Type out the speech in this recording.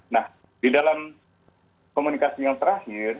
nah di dalam komunikasi yang terakhir